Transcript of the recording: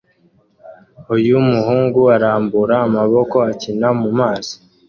Uyu muhungu arambura amaboko akina mu mazi